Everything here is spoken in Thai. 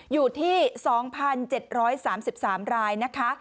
อยู่ที่๒๗๓๓รายนะคะ